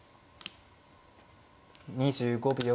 ２５秒。